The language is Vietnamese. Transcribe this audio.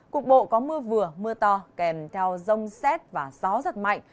cục bộ có mưa vừa mưa to kèm theo rông xét và gió giật mạnh